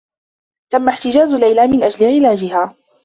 تمّ احتجاز ليلى من أجل علاجها.